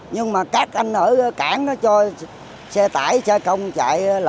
nhưng mà các anh ở cảng nó cho xe tải xe công chạy